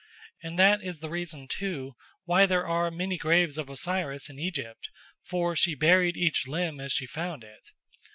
And that is the reason, too, why there are many graves of Osiris in Egypt, for she buried each limb as she found it.